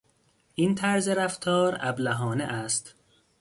این طرز رفتار ابلهانه است!